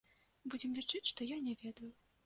Будзем лічыць, што я не ведаю.